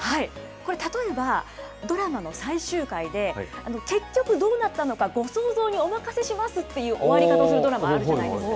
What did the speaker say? これ、例えば、ドラマの最終回で、結局どうなったのか、ご想像にお任せしますっていう終わり方をするドラマがあるじゃないですか。